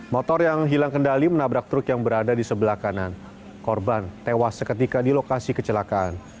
motor yang hilang kendali menabrak truk yang berada di sebelah kanan korban tewas seketika di lokasi kecelakaan